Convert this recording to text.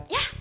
ya eh eh